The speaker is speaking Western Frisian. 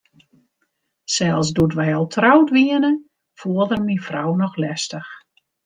Sels doe't wy al troud wiene, foel er myn frou noch lestich.